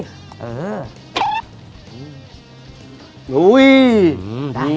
ได้อยู่ได้อยู่ได้อยู่